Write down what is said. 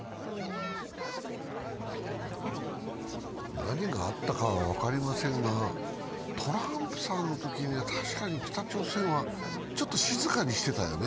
何があったかは分かりませんが、トランプさんのときには確かに北朝鮮はちょっと静かにしてたよね。